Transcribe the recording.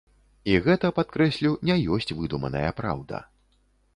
І гэта, падкрэслю, не ёсць выдуманая праўда.